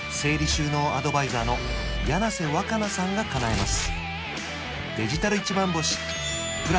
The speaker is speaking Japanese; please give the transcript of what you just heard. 収納アドバイザーの柳瀬わかなさんがかなえます